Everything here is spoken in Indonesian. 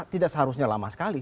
tidak seharusnya lama sekali